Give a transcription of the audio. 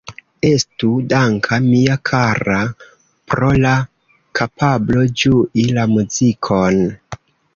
Estu danka, mia kara, pro la kapablo ĝui la muzikon.